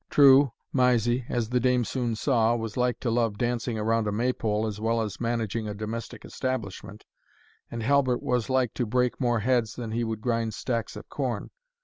True, Mysie, as the dame soon saw, was like to love dancing round a May pole as well as managing a domestic establishment, and Halbert was like to break more heads than he would grind stacks of corn.